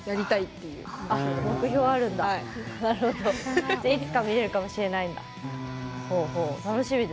いつか見れるかもしれないんだ。